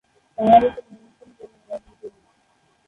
বাংলাদেশের ময়মনসিংহ জেলার রাজনীতিবিদ।